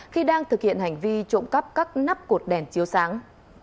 khi đang thực hiện hành vi trộm cắp các nắp cột đèn chiếu sáng